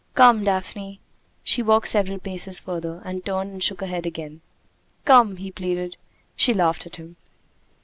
"Come, Daphne!" She walked several paces further and turned and shook her head again. "Come!" he pleaded. She laughed at him.